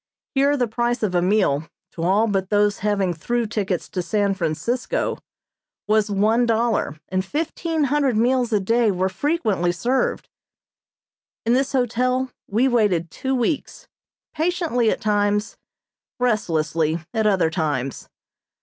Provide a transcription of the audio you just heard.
Here the price of a meal, to all but those having through tickets to San Francisco, was one dollar, and fifteen hundred meals a day were frequently served. In this hotel we waited two weeks, patiently at times, restlessly at other times.